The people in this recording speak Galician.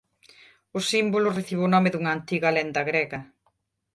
O símbolo recibe o nome dunha antiga lenda grega.